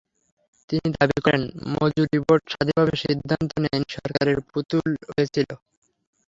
তিনি দাবি করেন, মজুরি বোর্ড স্বাধীনভাবে সিদ্ধান্ত নেয়নি, সরকারের পুতুল হয়ে ছিল।